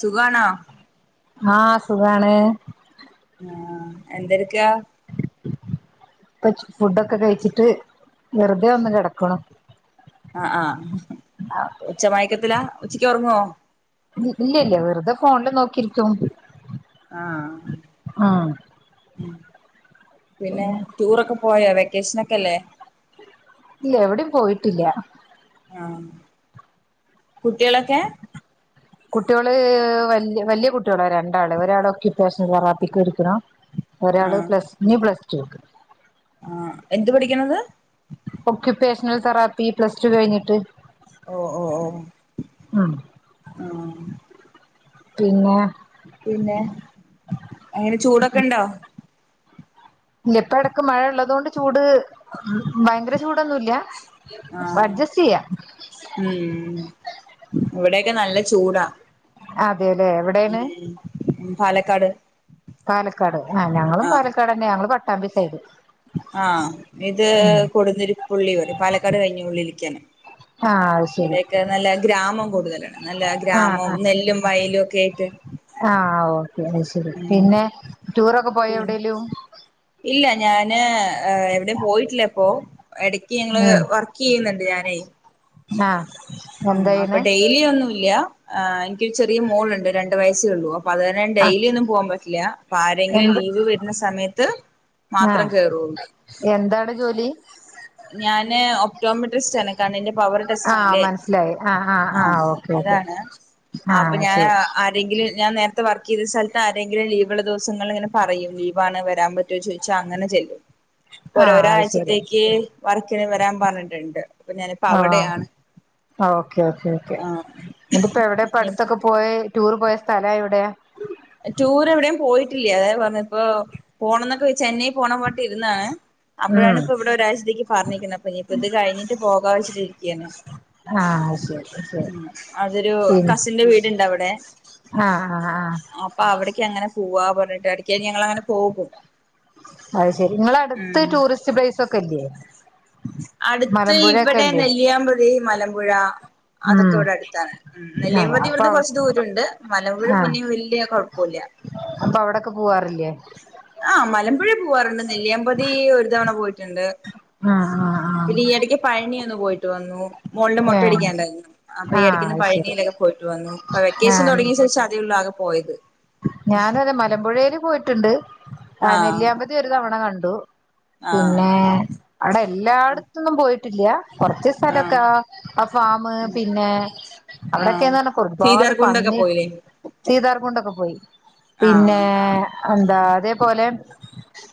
സുഖാണോ? ആഹ്, സുഖാണ് ആഹ് എന്തെട്ക്കാ ഇപ്പ ഫുഡൊക്കെ കഴിച്ചിട്ട് വെറുതെ ഒന്ന് കെടക്ക്ണു ആഹ്, ആഹ് ഉച്ച മയക്കത്തിലാ ഉച്ചയ്ക്ക് ഒർങ്ങോ? ഇല്ല്യല്ല്യ വെറ്തെ ഫോണില് നോക്കിരിക്കും ആഹ് ആഹ് ഉം, പിന്നെ ടൂറൊക്കെ പോയോ വെക്കേഷന് ഒക്കെല്ലേ? ഇല്ല്യ, എവിടിം പോയിട്ടില്ല്യ. ആഹ്, കുട്ട്യളൊക്കെ കുട്ട്യള് വല്യ വല്യ കുട്ട്യളാ രണ്ടാള്, ഒരാൾ ഓക്വിപേഷൻ തെറാപ്പിക്ക് ഠിക്ക്ണു ഒരാള് ആഹ് പ്ലസ് ഇഞ്ഞി പ്ലസ് ടു ക്ക് ആഹ്, എന്ത്‌ പഠിക്ക്ന്നത്? ഓക്യുപേഷണൽ തെറാപ്പി പ്ലസ് ടു കഴിഞ്ഞിട്ട്. ഓ ഓ ഓ ഉം, ആഹ് പിന്നെ പിന്നെ, എങ്ങനെ ചൂടൊക്കെണ്ടോ? ഇല്ല ഇപ്പ എടക്ക് മഴയുള്ളത് കൊണ്ട് ചൂട് ഭയങ്കര ചൂടൊന്നുംഇല്ല്യ ആഹ്, ഉം ഇവിടേക്കെ നല്ല ചൂടാ അതേലേ എവിടേണ്? ! ! ! ! ! ! ! ! !! ! ! ! ! ! ! ആഹ്, ഞങ്ങളും! ! ! ! ! ! ! ഞങ്ങള്! ! ! ! ! ! ! സൈഡ് ആഹ് ഇത്! ! ! ! ! ! ! ! പറിം! ! ! ! ! ! ! ! കഴിഞ്ഞ് ഉള്ളിൽക്കാണ്. ആഹ്, അത് ശെരി നല്ല ഗ്രാമം കൂട്തലാണ്. നല്ല ആഹ് ഗ്രാമവും ആഹ് നെല്ലും വയലും ഒക്കെ ആയിട്ട് ആഹ് ഓക്കെ അയ്ശെരി ഉം പിന്നെ ടൂറൊക്കെ പോയോ പിൻ എവ്ടേലും? ഇല്ല ഞാന് എവിടെയും പോയിട്ടില്ലപ്പോ എടയ്ക്ക് ഞങ്ങള് ഉം വർ ക്കിയ്യ്ന്ന്ണ്ട് ഞാനേയ് ആഹ്. അം എന്താ അപ്പം ചെയ്യണേ ഡെയിലി ഒന്നും ഇല്ല്യാ, ആഹ് ഇൻക്കൊരു ചെറിയ മോളുണ്ട് രണ്ട് വയസ്സേ ഉള്ളൂ അപ്പം അത് ഞാൻ ആഹ് ഡെയിലി ഒന്നും പൂവാൻ പറ്റില്ല്യ പ്പാരെങ്കിലും എന്ത് ലീവ് വെര്ന്ന സമയത്ത് മാത്രം കേറോള്ളു എന്താവടെ ജോലി? ഞാന് ഒപ്റ്റോമെട്രിസ്റ്റ് ആണ്. കണ്ണിന്റെ പവറ് ടെസ്റ്റെയില്ലേ സിലായി ആഹ്, ആഹ്, ആഹ് ഓക്കെ ഓക്കെ ആഹ് അയ്ശെരി. രെങ്കിലും ഞാൻ നേരത്തെ വർക്ക് ചെയ്ത സ്ഥലത്ത് ആരേങ്കിലും ലീവ്ള്ള ദിവസങ്ങൾലിങ്ങനെ പറയും ലീവാണ് വരാൻ പ റ്റോ ചോയിച്ചാ അങ്ങനെ ചെല്ലും. ആഹ് അത് ശരി പ്പൊരോരാഴ്ചത്തേയ്ക്ക് വർക്കിന് വെരാൻ പർഞ്ഞിട്ട്ണ്ട്. ആഹ്, ഓക്കേ, ഓക്കേ, ഓക്കേ ആഹ് ന്നിട്ട്പ്പം എവടെപ്പട്ത്തൊക്കെ പോയ ടൂർ പോയ സ്ഥലം എവിടെയാ ടൂർ എവിടെയും പോയിട്ടില്ല്യ. അതാ ഞാൻ പർഞ്ഞ പ്പോ പോണന്നൊക്കെ ചെന്നൈ പോണം വാട്ടി ഇരുന്നാണ് അപ്പഴാണ് ഉം ഇപ്പം ഇവിടെ ഒരാഴ്ചത്തേയ്ക്ക് പറഞ്ഞേക്കുന്ന അപ്പം ഇനി ഇപ്പം ഇത് കഴിഞ്ഞിട്ട് പോകാ വെച്ചിട്ടിരിയ്ക്കാണ്. ആഹ്. [unintelligible] ഉം അതൊരു പിന്നെ കസിന്റെ വീട്ണ്ടവടെ ആഹ്, ആഹ്, ഹ, ഹ, ആഹ് അപ്പം അവിട്യ് ക്ക് അങ്ങനെ പുവ്വാ പറഞ്ഞിട്ട് എടക്കായി ഞങ്ങള് അങ്ങനെ പോകും. അത്ശെരി നിങ്ങള അടുത്ത് ഉം ടൂറിസ്റ്റ് പ്ലെയ്സ് ഒക്കെ ഇല്ല്യേ അടുത്ത് ഇവിടെ നെല്ലിയാമ്പതി മലമ്പുഴാ അതൊക്കെ ഉം ഇവിടെ അടുത്താണ് ഉം ആ നെല്ലിയാമ്പതി അപ്പൊ ഇവിടുന്ന് കൊറച്ച് ദൂരം ഉണ്ട് മലമ്പുഴ പിന്നെയും വല്ല്യ കൊഴപ്പൂല്ല്യ. അപ്പം അവിടൊക്കെ പോവാറില്ലേ ആഹ് മലമ്പുഴേ പൂവാറുണ്ട് നെല്ലിയാമ്പതീ ഒരു തവണ പോയിട്ട്ണ്ട്. ആഹ് പിന്നെ ഈയെടക്ക് പഴനി ഒന്ന് പോയിട്ട് വന്നൂ മോൾടെ ആഹ് മൊട്ടയടിക്കാൻ ഉണ്ടായിരുന്നു അപ്പം ആഹ് ഏഹ് ഈ എടക്ക്ന്ന് ആഹ് അത് ശരി പഴനിയിലൊക്കെ പോയിട്ട് വന്നു ഇപ്പം വെക്കേഷൻ ആഹ് തൊടങ്ങിയ ശേഷം അതേ ഉള്ളൂ ആകെ പോയത് ഞാനും അതെ മലമ്പുഴേല് പോയിട്ടുണ്ട് ആ ആഹ് നെല്ലിയാമ്പതി ഒരു തവണ കണ്ടൂ ആഹ് പിന്നേ അടെ എല്ലാ ഇടത്തൊന്നും പോയിട്ടില്ല്യ കൊർച്ച് ആഹ് സ്ഥലൊക്കെ അ ഫാമ് പിന്നേ ആഹ് അവിടൊക്കേന്ന് പറഞ്ഞ ഒരുപാട് സീതാർകുണ്ടൊക്കെ പന്നി പോയില്ലേ സീതാർ കുണ്ടക്കം പോയി പിന്നേ ആഹ് എന്താ ഉം അതേപോലെ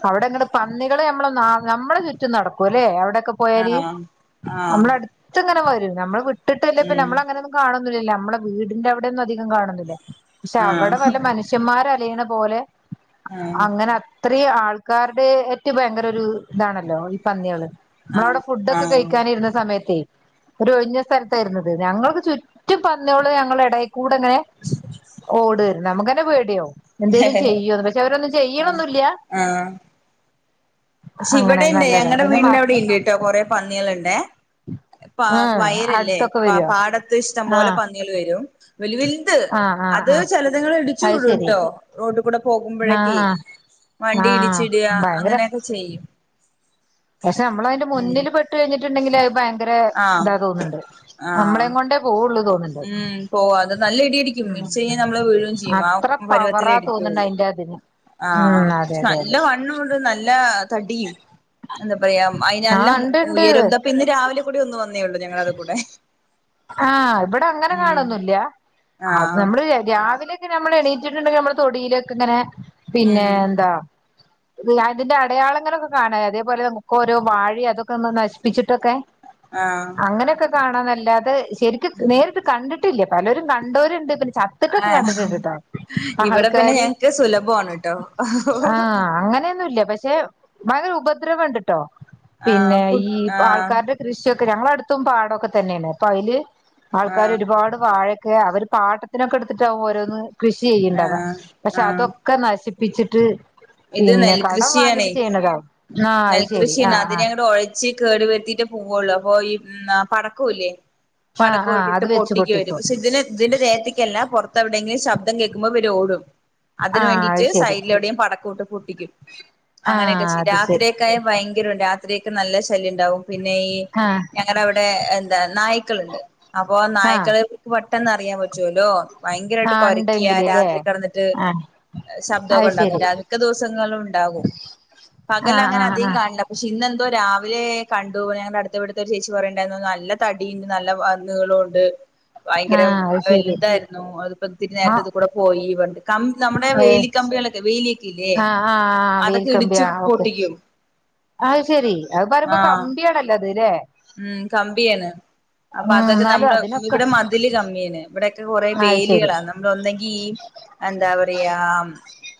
അവിടെങ്ങട് പന്നികള് നമ്മളെ ന നമ്മളെ ചുറ്റും നടക്കൂല്ലേ അവിടെക്കെ പോയാല് ആഹ് ആഹ് നമ്മളടുത്ത്ങ്ങനെ വരും നമ്മള് വിട്ടിട്ടില്ലേപ്പിന്നെ ഉം നമ്മളങ്ങനങ്ങ് കാണൊന്നുല്ലല്ലോ നമ്മള വീടിന്റെ അവിടെ ഒന്നും അധികം കാണൊന്നുല്ല. പക്ഷെ ആഹ് അവടെ വ മനുഷ്യമ്മാര് അലയണ പോലെ ആഹ് ആഹ് അങ്ങനെ അ ത്രീം ആൾക്കാര്ടെ ഏറ്റ് ഭയങ്കര ഒരു ഇതാണല്ലോ ഈ പന്ന്യേള്. നമ്മള് ആഹ് അവിടെ ഫുഡ് ഒക്കെ കഴിക്കാൻ ഇരുന്ന സമയത്തേ ഒരു ഒഴിഞ്ഞ സ്ഥലത്തായിരുന്നു അത് ഞങ്ങൾക്ക് ചുറ്റും പന്ന്യോള് ഞങ്ങളെ എടേക്കൂടെ ഇങ്ങനെ ഓട്വേര്ന്നു നമുക്കന്നെ പേടിയാവും എന്തേലും ചെയ്യോന്ന് പക്ഷെ അവരൊന്നും ആഹ് ചെയ്യ്ണൊന്നുല്ല്യാ. ആഹ് പക്ഷെ ഇവിടെ ഇണ്ടേ ഞങ്ങടെ മ വീടിന്റെ അവിടി ഇണ്ട്ട്ടോ കൊറേ പന്ന്യേള്ണ്ടേ. പാ ആ വയലല്ലേ അടുത്തൊക്കെ പ വരുവോ പാടത്ത് ഇഷ്ടം ആ പോലെ പന്ന്യേള് വെരും. വെല് വെൽത് ആ ആ അത് ആ ചെലത്ങ്ങള് ഇടിച്ച് അത് ശരി വീഴൂട്ടോ. റോഡി കൂടെ പോകുമ്പഴെക്കേ ആഹ് ആഹ് വണ്ടി ആഹ് ഇടിച്ചിടാ ഭയങ്കര അങ്ങനെയൊക്കെ ചെയ്യും. പക്ഷെ നമ്മള് അതിന്റെ ഉം മുന്നില് പെട്ട് കഴിഞ്ഞിട്ടുണ്ടെങ്കില് അത് ഭയങ്കര ആഹ് ഇതാ തോന്നുണ്ട് ആഹ് നമ്മളേം കൊണ്ടേ പോവുള്ളു തോ ഉം പോവും അത് നല്ല ഇടിഇടിക്കും ഇടിച്ച് കഴിഞ്ഞ നമ്മള് വീഴൂം ചെയ്യും ആ അത്ര പരുവത്തിലേ പവറാ തോന്നുന്നുണ്ട് ഇടിക്ക്യുള്ളൂ. അതിന്റെ അതിന് ആഹ് ഉം അതെ പക്ഷെ അതെ നല്ല അതെ വണ്ണു ത്‌ നല്ല തടിയും എന്താ പറയാ അയ്നല്ല ആഹ് ഹു ഉണ്ട് ഉണ്ട് ഉയരൊക്കെപ്പിന്ന് രാവിലെം കൂടി ഒന്ന് വ ന്നേയുള്ളൂ ഞങ്ങളത് കൂടെ ആഹ് ഇബടെ അങ്ങനെ ഉം കാണാെന്നുല്ല അത് ആഹ് നമ്മള് രാവിലെ ക്കെ നമ്മൾ എണീറ്റിട്ടുണ്ടെങ്കിയമ്മള് തൊടിയിലൊക്കെയിങ്ങനെ പിന്നെ ഉം എന്താ ത് അതിന്റെ അടയാളങ്ങളൊക്കെ കാണാ അതേപോലെ നമുക്കോരോ വാഴിം അതൊക്കൊന്ന് നശിപ്പിച്ചിട്ടൊക്കെ ആഹ് അങ്ങനൊക്കെ കാണാന്നല്ലാതെ ശെരിക്ക് ഉം നേരിട്ടി കണ്ടിട്ടില്ല പലരും കണ്ടോരുണ്ട് പിന്ന ച ത്തിട്ടൊക്കെ ഏഹ് കണ്ടിട്ടുണ്ട് ട്ടോ ഇവിടെ പിന്നെ ആൾക്കാര് ഞങ്ങക്ക് സുലഭമാണ് ട്ടോ ആഹ് അങ്ങനെ ന്നുല്ല്യ. പക്ഷെ ഭയങ്കര ഉപദ്രവണ്ട്ട്ടോ. ആഹ് പിന്നെ കു ഈ ആഹ് ആൾക്കാര്ടെ കൃഷിയൊക്കെ ഞങ്ങളടുത്തും പാടൊക്കെ തന്നേണ് അപ്പൊ അയില് ആഹ് ആൾക്കാരൊരുപാട് വാഴൊക്കെ അവര് പാട്ടത്തിനൊക്കെ എട്ത്തിട്ടാവോരോന്ന് കൃഷി ചെയ്യ്ണ്ടാവാ ആഹ് പക്ഷെ ആഹ് അതൊക്കെ നശിപ്പിച്ചിട്ട് ഇത് പിന്നെ കടം വാങ്ങിട്ട് നെൽകൃഷിയാണേ ചെയ്യ്ണതാവും. ആഹ് അയ് ശെരി ആഹ് ആഹ് ച്ചി കേട് വരുത്തിയിട്ടേ പോവുള്ളൂ അപ്പൊ ഈ ഉം ന്ന പടക്കൂല്ലേ ആഹ് ആഹ് പടക്കോക്കിട്ട് അത് വെച്ച് പൊട്ടിക്കു അവര് പൊട്ടിക്കും പക്ഷെ ഇതിന് ഇതിന്റെ ദേഹത്ത്യ്ക്കല്ല പൊറത്തെവിടെങ്കിലും ശബ്ദം കേക്കുമ്പോ ഇവരോടും. അതിന് ആഹ് വേണ്ടിട്ട് അത് ശെരി സൈഡിലെവിടെയും പടക്കൂട്ട് പൊട്ടിക്കും അങ്ങനെയൊക്കെ ആഹ് ചെയ്യ് അത് ശരി രാത്രിയൊ ക്കായാ ഭയങ്കരോ രാത്രിയൊക്കെ നല്ല ശല്യണ്ടാവും പിന്നെ ഈ ആഹ് ഞങ്ങളവിടെ എന്താ നായ്ക്കള്ണ്ട് അപ്പൊ ആഹ് നായ്ക്കള് ക്ക് പെട്ടെന്നറിയാൻ പറ്റുവല്ലോ ഭയങ്കരായിട്ട് ആഹ് കൊരയ്ക്ക്യ ഉണ്ടെങ്കില് ല്ലേ രാത്രി കെടന്നിട്ട് ആഹ് എ ശബ്ദൊക്കെ അത് ഉണ്ടാക്കും ശരി രാ മിക്ക ദിവസങ്ങളിളുണ്ടാകും ആഹ് പകലങ്ങനെ ആഹ് അധികം ആഹ് കാണ്ല്ലാ പക്ഷേ ഇന്നെന്തോ രാവിലെ കണ്ടു ഞങ്ങടെ അടുത്തവിട്ട്ത്തെ ഒരു ചേച്ചി പറയുണ്ടായിരുന്നു നല്ല തടിയിണ്ട് നല്ല വ അ നീളു ണ്ട് വയങ്കരെ ആഹ് അത് ശരി വെല്തായിരു ന്നു അത് പ്പൊ ഇത്തിരി നേരത്തെ ആഹ് ഇത് കൂടെ പോയി പർഞ്ട്ട് കം നമ്മുടെ ഏഹ് വേലി കമ്പികളൊക്കെ വേലിയെ ക്കിലേ ആഹ് ആഹ് അതൊക്കെ ഇടിച്ചു പൊട്ടിക്കും അയ് ശെരി അത് പറയുമ്പോ ആഹ് കമ്പിയാണല്ലോ അത് ലെ ഉം കമ്പിയാണ് അപ്പൊ അതൊക്കെ എന്നാലും നമ്മുടെ അതിനൊക്കെ ഇവിടെ മതില് കമ്മ്യാണ് ഇവിടെക്കെ കൊറെ അത് ശരി വേലികളാണ് നമ്മളൊന്നെങ്കീഎന്താ പറയാ ഉം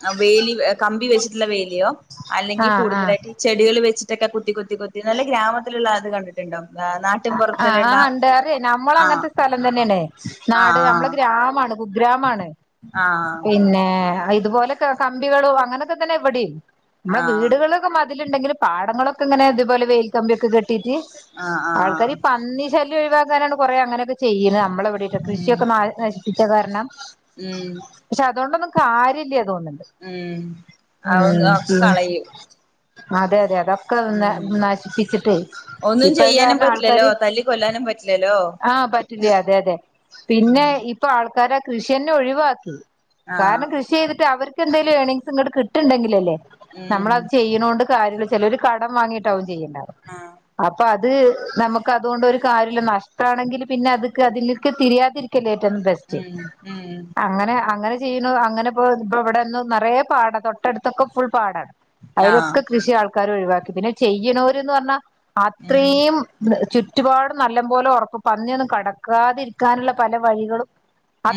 അ വേലി ഏ കമ്പി വെച്ചിട്ടുള്ള വേലിയോ അല്ലെങ്കിൽ ആഹ് ആഹ് കൂടുതലായിട്ട് ചെടികള് വെച്ചിട്ടൊക്കെ കുത്തി കുത്തി കുത്തി നല്ല ഗ്രാമത്തിലുള്ള അത് കണ്ടിട്ടുണ്ടോ ന്ന ന്നാ ആഹ് ആഹ് ഇണ്ട് അറിയേയ് നമ്മളങ്ങൻത്തെ സ്ഥലം തന്നെണ് നാട് നമ്മളെ ആഹ് ഗ്രാമാണ് കുഗ്രാമാണ് ആഹ് പിന്നെ അഹ് ഇതുപോലെക്കെ കമ്പികളും അങ്ങനെയൊക്കെ തന്നെ ഇവിടേം നമ്മളെ ആഹ് വീടുകള് ക്ക് മതിലുണ്ടെങ്കിലും പാടങ്ങളൊക്കെ ഇങ്ങനെ ഇതുപോലെ വേൽക്കമ്പിയൊക്കെ കെട്ടീറ്റ് ആഹ് ആൾക്കാരീ ആഹ് പന്നി ശല്യം ഒഴിവാക്കാനാണ് കുറേ അങ്ങനെയൊക്കെ ചെയ്യുന്നെ നമ്മളിവിടെയൊക്കെ ഉം കൃഷിയൊക്കെ നശിപ്പിച്ച കാരണം ഉം പക്ഷേ അതോണ്ടൊന്നും കാര്യല്ല്യ തോന്ന്ണ്ട് ഉം അഒന്നും ഉം അഒക്കെ കളയും അതെ അതെയതെ അതൊക്കെ ന ഉം നശിപ്പിച്ചിട്ട് ഒന്നും ഇപ്പൊ അയ് ചെയ്യാനും കാരണം പറ്റില്ലല്ലോ ആൾക്കാര് തല്ലി കൊല്ലാനും പറ്റില്ലല്ലോ ആഹ് പറ്റില്ല അതെയതെ പിന്നെ ഉം ഇ പ്പോ ആൾക്കാര് ആ കൃഷിയെന്നെ ഒഴിവാക്കി ആഹ് കാരണം കൃഷി ചെയ്തിട്ട് അവര് ക്കെന്തേലും ഏണിങ്സ് ങ്ങട്ട് കിട്ട്ണ്ടങ്കിലല്ലേ ഉം നമ്മളത് ചെയ്യ്ണോണ്ട് കാര്യൊള്ളു ചെലോര് കടം വാങ്ങിട്ടാവും ചെയ്യ്ണ്ടാവാ ആഹ് അപ്പൊ അത് നമുക്ക് അതുകൊണ്ടൊരു കാര്യല്ല നഷ്ടാണെങ്കിൽ പിന്നെ അത്ക്ക് അതില്ക്ക് തിരിയാതിരിക്കല്ലേ ഏറ്റോ ബെ സ്റ്റ് ഉം ഉം അങ്ങനെ അങ്ങനെ ചെയ്യുണു അങ്ങനെ പോ ഇപ്പോ ഇവിടെന്ന് നെറേ പാടാ തൊട്ടടുത്തൊക്കെ ഫുൾ പാടാണ് ആഹ് അയിലൊക്കെ കൃഷി ആൾക്കാര് ഒഴിവാക്കി. പിന്നെ ചെയ്യ്ണോര്ന്ന് പറഞ്ഞാ അ ഉം ത്രീം ചു റ്റുപാട് നല്ലംമ്പോലെ ഒറപ്പും പന്നിയൊന്നും കടക്കാതിരിക്കാനുള്ള പല വഴികളും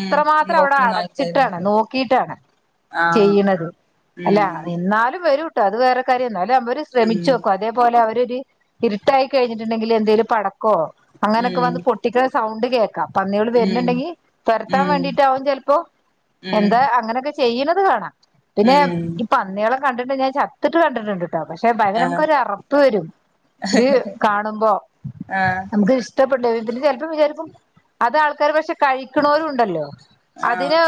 ഉം അവിടെ നോക്കുന്ന ആൾക്കാര് അടച്ചിട്ടാണ്. നോക്കീട്ടാണ്. ആഹ് ചെയ്യ്ണത്. അല്ല ഉം എന്നാലും വെരും ട്ടോ. അത് വേറെ കാര്യം എന്നാലും അമ്മോര് ഉം ശ്രമിച്ചോക്കും. അതേപോലെ അവരൊരരി ട്ടായി കഴിഞ്ഞിട്ടുണ്ടെങ്കിൽ എന്തെങ്കിലും പടക്കോ അങ്ങനെയൊക്കെ ഉം വന്ന് പൊട്ടിക്ക്‌ണെ സൗണ്ട് കേക്കാം. പന്നികള് ഉം വരുന്നുണ്ടെങ്കി തൊരത്താൻ ഉം വേണ്ടിട്ട് ആവും ചെൽപ്പോ. ഉം എന്താ അങ്ങനെയൊക്കെ ചെയ്യണത് കാണാം. പിന്നെ ഉം ഈ പന്നികളെ കണ്ടിട്ടുണ്ട് ഞാൻ ചത്തിട്ട് കണ്ടിട്ടുണ്ട്. ട്ടോ. പക്ഷെ ഭയങ്കര ആഹ് നമുക്കൊരു അറപ്പ് വരും. ഒര് കാണുമ്പോ ആഹ് നമുക്ക് ഇഷ് ഇഷ്ടപ്പെട്ടേ പിന്നെ ചെലപ്പോം വിചാരിക്കും അത് ആൾക്കാര് പക്ഷെ കഴിക്കണവരും ഉണ്ടല്ലോ ആഹ് അതിന്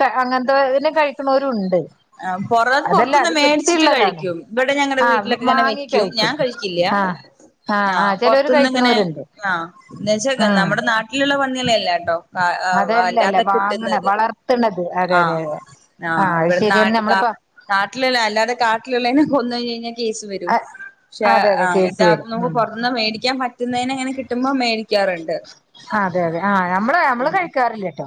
ക അങ്ങനത്തെതിനെ കഴിക്കണവരും ഉണ്ട് ആഹ് പുറ അതല്ല പുറത്തുന്ന് അത് മേടിച്ചിട്ട് വൃത്തിയുള്ളതാണ് കഴിക്കും. ഇവിടെ ഞങ്ങളടെ ആഹ് വീട്ടിലൊക്കെ ഇങ്ങനെ വാങ്ങി വെക്കും ഞാൻ കഴിക്കും കഴിക്കില്ല. ആഹ് ല്ല. ആഹ് പൊറത്തുന്ന് ഇങ്ങനെ ആഹ് എന്നുവച്ച ഉം നമ്മുടെ നാട് ട്ടിലുള്ള പന്നികളെ അല്ലാട്ടോ ആഹ് അല്ലാതെ കിട്ടുന്നത്. വർത്തണത്. ആഹ് ആഹ് ഇവിടെ നാട്ടു കാ നമ്മളിപ്പ നാട്ടിലുള്ളെ അല്ലാതെ കാട്ടിലുള്ളേനേ കൊന്ന് കഴിഞ്ഞു കഴിഞ്ഞാ കേസ് വരും പക്ഷെ അതെ അതെ ആഹ് കേസ് ഇത് വരും നമുക്ക് ഉം പുറത്തുനിന്ന് മേടിക്കാൻ പറ്റുന്നതിങ്ങനെ കിട്ടുമ്പോ മേടിക്ക ക്കാറുണ്ട്. അതെ അതെ ആഹ് നമ്മള് നമ്മള് കഴിക്കാറില്ലാട്ടോ.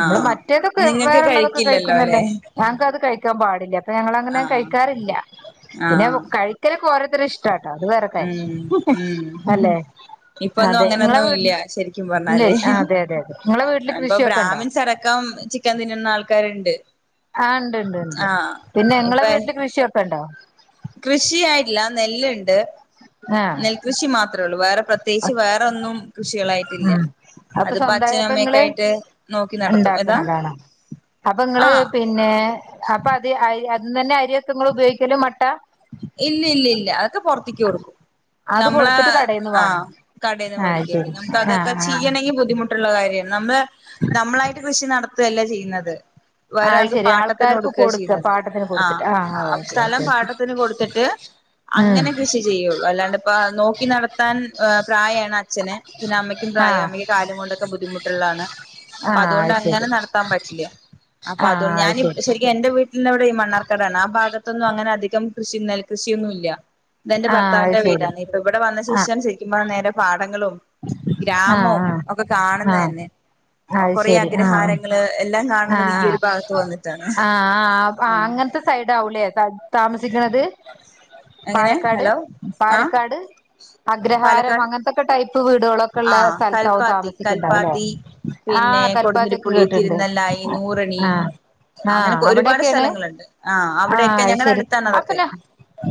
നമ്മള് ആഹ് മറ്റേതൊക്കെ നിങ്ങക്ക് വേറെള്ളതൊക്കെ കഴിക്കില്ലല്ലോ കഴിക്കുന്നല്ലോ അല്ലെ ഞങ്ങക്ക് അത് കഴിക്കാൻ പാടില്ല. അപ്പൊ ഞങ്ങളത് അങ്ങനെ ആഹ് കഴിക്കാറില്ല. പിന്നെ ആഹ് കഴിക്കലൊക്കെ ഓരോത്തരുടെ ഇഷ്‌ ടാട്ടാ അത് വേറെ ഉം ഉം കാര്യം അല്ലെ ഇപ്പൊന്നും അതെ നിങ്ങളെ അങ്ങനൊന്നും വീട്ടി ഇല്ല ശരിക്കും പ ഇല്ലെൽ അതെ അതെ അതെ. നിങ്ങളെ വീട്ടില് കൃഷിയൊക്കെണ്ടോ ചരക്കാം ചിക് ക്കൻ തിന്നുന്ന ആൾക്കാരുണ്ട്. ആഹ് ഉണ്ട് ഉണ്ട് ഉണ്ട്. ആഹ് പിന്നെ നിങ്ങളെ വീട്ടില് കൃഷിയൊക്കെ ഉണ്ടോ കൃഷിയായിട്ടില്ല് നെല്ല് ഉണ്ട് ആ നെൽകൃഷി മാത്രം ഉള്ളൂ വേറെ പ്രത്യേകിച്ച് വേറൊന്നും കൃഷികളായി ഉം അപ്പൊ സ്വന്തം ഇപ്പ ഇങ്ങള് ആയിട്ട് നോക്കി നടത്തും ഏതാ ഉണ്ടാക്കണതാണോ അപ്പൊ നിങ്ങള് ആഹ് പിന്നെ അപ്പൊ അത് അതീന്ന് തന്നെ അരിയൊക്കെ നിങ്ങള് ഉപയോഗിക്കല് മട്ട ഇല്ല ഇല്ല ഇല്ല അതൊക്കെ പുറത്തേക്ക് കൊടുക്കും. അത് നമ്മള് കൊടുത്തിട്ട് കടയിൽന്ന് ആഹ് വാങ്ങും കടേന്ന് ആ മേടിക്കുള്ളൂ ശരി ന ആ അതൊക്കെ ആ ചെയ്യണമെങ്കിൽ ബുദ്ധിമുട്ടുള്ള കാര്യമാണ്. നമ്മള് നമ്മളായിട്ട് കൃഷി നടത്തുകയല്ല ചെയ്യുന്നത്. ആ വേറൊരാൾക്ക് ശരി പാട്ടത്തിന് ആൾക്കാർക്ക് കൊടുക്കുകയാ കൊടുക്ക ചെയ്യുന്നത്. പാട്ടത്തിന് ആഹ് കൊടുത്തിട്ട് ആ ഓക്കെ സ്ഥലം ഓക്കെ ഓക്കെ പാട്ടത്തിന് കൊടു ത്തിട്ട് ഉം അങ്ങനെ കൃഷി ചെയ്യുള്ളൂ. അല്ലാണ്ട് ഇപ്പ നോക്കി നടത്താൻ പ്രായാണ് അച്ച ച്ഛന് പിന്നെ അമ്മയ്ക്കും ആ പ്രായാ അമ്മയ്ക്ക് കാലും കൊണ്ടൊക്കെ ബുദ്ധിമുട്ടുള്ളതാണ്. ആ അപ്പൊ അതുകൊണ്ട് അത് അങ്ങനെ ശരി നടത്താൻ പറ്റില്ല. അപ്പൊ ആ അതൊണ്ട് അത് ഞാനീ ശരി എന്റെ വീട്ടിൻ്റെ അവിടേയും മണ്ണാർകാടാണ് ആഹ് ഭാഗത്തൊന്നും അങ്ങനെ അധികം കൃഷി നെൽകൃഷിയൊന്നും ഇല്ല. ഇതെന്റെ ആ അത് ഭർത്താന്റെ ശരി വീടാണ് ഇപ്പൊ ഇവിടെ വന്ന ആ ശേഷം ശരിക്കും പറഞ്ഞ നേരെ പാടങ്ങളും ആ ഗ്രാമവും ഒക്കെ ആ ആ കാണുന്നതു തന്നെ. അത് കൊറേ ശരി ആഹ് അഗ്രഹാരങ്ങള് എല്ലാം കാണുന്നത് ഈ ആഹ് ഒരു ഭാഗത്ത് വന്നിട്ടാണ് ആഹ് ആ ആഹ് അങ്ങനത്തെ സൈഡാവൂല്ലേ താ താമസിക്കണത് എങ്ങനെ പാലക്കാട് ഹലോ ആ പാലക്കാട് അഗ്രഹാരം പാലക്കാട് അങ്ങനത്തൊക്കെ ടൈ പ്പ് വീടുകളൊക്കെ ഉള്ള ആഹ് സ്ഥലത്താവും കൽപ്പാത്തി താമസിക്കണ്ടാവും അല്ലേ കൽപ്പാത്തി പിന്നെ ആഹ് കൽപ്പാച ക്ക് കൊടുന്തിരിപ്പുള്ളി കേട്ടണ്ട്. തിരുനെല്ലായി നൂറണി ആഹ് ആഹ് അങ്ങനെ ഒരുപാട് അവിടെയൊക്കെയാണ് സ്ഥലങ്ങളുണ്ട് ആഹ് അവിടെയൊക്കെ അതു ഞങ്ങളുടെ ശരി. അടുത്താണ് അപ്പ അതൊക്കെ ന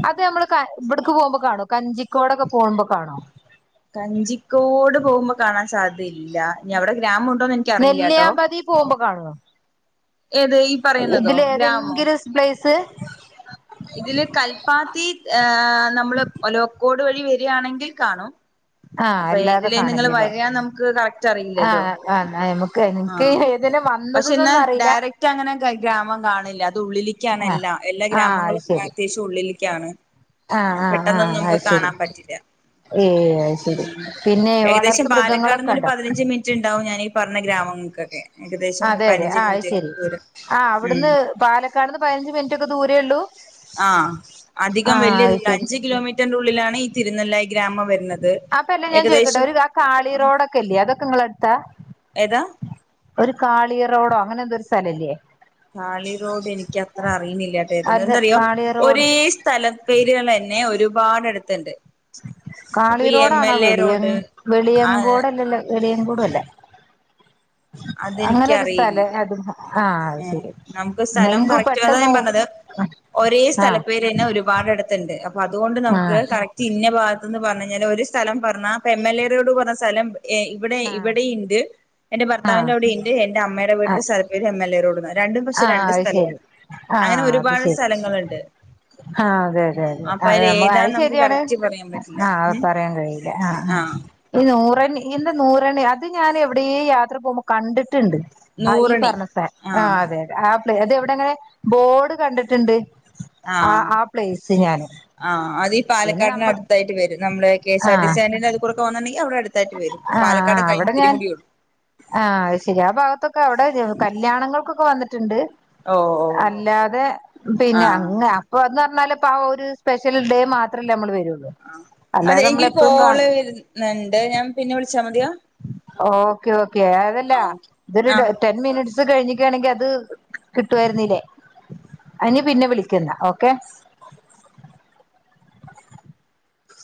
അത് നമ്മള് ഇവിടക്ക് പോകുമ്പോ കാണോ കഞ്ചിക്കോടൊക്കെ പോകുമ്പോ കാണോ കഞ്ചിക്കോട് പോകുമ്പോ കാണാൻ സാധ്യതയില്ല. ഇനി അവിടെ ഗ്രാമുണ്ടോന്ന് എനിക്കറിയില്ലട്ടോ നെല്ലിയാമ്പതി പോകുമ്പോ കാണോ ഏത് ഈ പറയുന്നതോ ഇതിൽ ഗ്രാമോ ഏതെങ്കിലും പ്ലേസ് ഇതില് കൽപ്പാത്തി നമ്മള് ഒലോക്കോട് വഴി വരിയാണെങ്കിൽ കാണും ആഹ് അപ്പൊ അല്ലാതെ ഏതിലേ നിങ്ങള് കാണില്ലല്ലേ വരാന്ന് നമുക്ക് കറക്റ്റ് അറിയില്ലല്ലോ ആഹ് ആഹ് നമുക്ക് ആ എനിക്ക് ഏതിനെ പക്ഷെ ഇന്ന് വന്നതന്നൊന്നും അറിയില്ല ഡയറക്റ്റ് അങ്ങനെ ഗ്രാമം കാണില്ല അത് ഉള്ളില് ആഹ് ക്യന്നല്ല എല്ലാ ആഹ് അത് ഗ്രാമങ്ങളും ശരി അത്യാവശ്യം ഉള്ളിലേക്കാണ് ആഹ് ആഹ് പെട്ടെന്നൊന്നും ആഹ് നമുക്ക് അത് ശരി കാണാൻ പറ്റില്ല ഏയ് അത് ശരി ഉം പിന്നെ ഏകദേശം വളർത്ത് മൃഗങ്ങളൊക്കെ പാലക്കാട്ന്നൊരു ഉണ്ടോ പതിനഞ്ച് മിനി റ്റ് ട്ടുണ്ടാവും ഞാനീ പറഞ്ഞ ഗ്രാമങ്ങൾക്കൊക്കെ ഏകദേശം ഒരു അതെ അതെ പതിനഞ്ച് ആത് മിനിറ്റ് ശെരി ദൂരം ആഹ് ഉം അവിടുന്ന് പാലക്കാട്ന്ന് പതിനഞ്ച് മിനിറ്റ് ഒക്കെ ദൂരേ ഉള്ളൂ ആ അധികം ആഹ് അത് വല്യയ്യതില്ല ശരി അഞ്ച് കിലോമീറ്ററിനുള്ളിലാണ് ഈ തിരുനെല്ലായി ഗ്രാമം വരുന്നത് അപ്പ എല്ലാം ഞാൻ ചോയ്ക്കട്ടെ ഏകദേശം ഒരു കാളി റോഡൊക്കെല്ലേ അതൊക്കെ നിങ്ങള എടുത്താ ഏതാ ഒരു കാളിയ റോഡോ അങ്ങനെ എന്തോ ഒരു സ്ഥലംല്ലേ കാളിറോട് എനിക്കത്ര അറിയുന്നില്ല കേട്ടേ ഏത അത് എന്താറിയോ കാളി റോഡ് ഒരേ സ്ഥല പേരുകൾ തന്നെ ഒരുപാടടുത്തുണ്ട് കാളിറോഡാണോ വെളിയ ആ വെളിയങ്കോടല്ലല്ലേ വെളിയംകോടു അല്ല അങ്ങനെ ഒരു സ്ഥല അതെനിക്കറിയില്ല അദ്ഹ ആഹ് അത് ശരി നമുക്ക് സ്ഥലം നെങ്ക കറക്റ്റ് അതാ പെട്ടെന്ന് ആഹ് പിന്നെ ഒരുപാടടുത്തുണ്ട് അപ്പോ അതുകൊണ്ട് നമുക്ക് ആഹ് കറക് റ്റ്ന്ന ഭാഗത്ത്ന്ന് പറഞ്ഞ കഴിഞ്ഞാല് ഒരു സ്ഥലം പറഞ്ഞ ഇപ്പോ എം എൽ എ ട് പറഞ്ഞ സ്ഥലം ഇവിടെ ആഹ് ഇവിടെ ഇണ്ട് എന്റെ ആഹ് ഭർത്താവിന്റെവിടെയിണ്ട് എന്റെ അമ്മയുടെ വീടിന്റെ സ്ഥല പേര് എം എൽ എ രോട് എന്നാ ആഹ് അത് ശരി ആ അത് ഒരുപാട് ശരി സ്ഥലങ്ങളുണ്ട് ആ അതെ അതെ ഉം അതെ അപ്പൊ അത അതിൽ നമ്മ അത് ഏതാന്ന് നമുക്ക് ശരിയാണ് കറക്റ്റ് പറയാൻ പറ്റില്ല ആഹ് അ ഉം പറയാൻ കഴിയില്ല ആഹ് ആഹ് ഈ നൂറണി ഇല്ല നൂറണി അത് ഞാൻ എവിടെ യാത്ര പോകുമ്പോൾ കണ്ടിട്ടുണ്ട് ആ ഈ നൂറണി പറഞ്ഞ സ ആഹ് ആ പ്ലേ അത എവിടെ എങ്ങനെ ബോർഡ് കണ്ടിട്ടുണ്ട് ആ ആ പ്ലേസ് ഞാന് ആ അതീ പിന്നെ നമ്മൾ പാലക്കാടിനടുത്തായിട്ട് വരും നമ്മള് കെ സ് ആ ആർ ടി സിസ്റ്റാൻഡിന്റെ അത്ക്കുടെകെ വന്നുണ്ടെങ്കിൽ അവിടെ അടു തയിട്ട് വരും പാലക്കാട് കഴിഞ്ഞ് ഇത്തിരി കൂടിയുള്ളൂ ആഹ് ശരിയാ ഭാഗത്തൊക്കെ അവിടെ കല്യാണങ്ങൾക്കൊക്കെ വന്നിട്ടുണ്ട് അല്ലാതെ പിന്നെ ആഹ് അങ്ങ അപ്പൊന്ന് പറഞ്ഞാല് ഇപ്പ ആ ഒരു സ്പെഷ്യൽ ഡേ മാത്രമല്ലേ നമ്മൾ വരുള്ളൂ അല്ലാതെ നമ്മള എപ്പോഴും കാ നണ്ട് ഞാൻ പിന്നെ വിളിച്ചാൽ മതിയോ ഓക്കെ ഓക്കെ അതല്ല ആഹ് ഓക്കെ ഇതൊരു ആ [unintelligible] മിനിറ്റ്സ് കഴിഞ്ഞിക്കുകയാണെങ്കിൽ അത് കിട്ടുവായിരുന്നില്ലേ അതിന് പിന്നെ വിളിക്കണ്ട ഓക്കെ